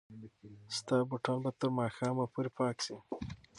ستا بوټان به تر ماښامه پورې پاک شي.